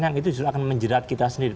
yang itu justru akan menjerat kita sendiri